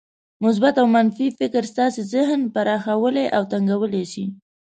مثبت او منفي فکر ستاسې ذهن پراخولای او تنګولای شي.